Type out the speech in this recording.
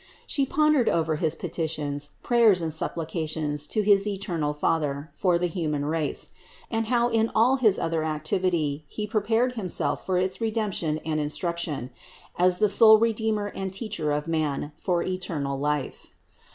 She pondered over his petitions, prayers and supplications to his eternal Father for the human race; and how in all his other activity He prepared Himself for its Redemption and instruction, as the sole Redeemer and Teacher of man for eternal life.